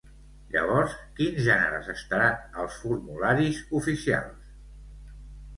Llavors, quins gèneres estaran als formularis oficials?